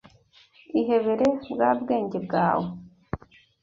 ihebere bwa bwenge bwawe